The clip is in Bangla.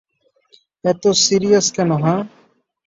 এতো সিরিয়াস কেন, হাহ?